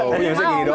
aduh ini gini doang